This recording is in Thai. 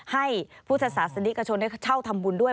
ให้ผู้จัดสรรคสันิกชนได้เช่าทำบุญด้วย